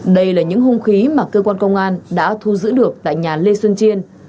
đây là những hung khí mà cơ quan công an đã thu giữ được tại nhà lê xuân chiên